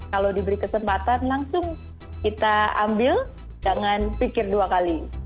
kalau diberi kesempatan langsung kita ambil jangan pikir dua kali